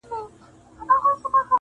دا کيسه درس ورکوي ډېر